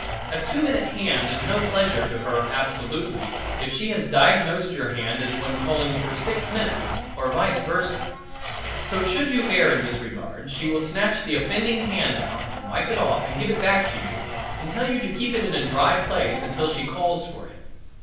A two minute hand is no pleasure to her absolutely if she has diagnosed your hand as one calling for six minutes, or vice versa. So, should you err in this regard she will snatch the offending hand out and wipe it off and give it back to you and tell you to keep it in a dry place until she calls for it.